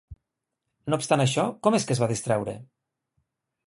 No obstant això, com és que es va distreure?